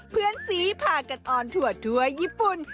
เพื่อนสีผ้ากันออนถั่วญี่ปุ่น